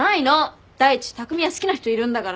第一匠は好きな人いるんだからさ。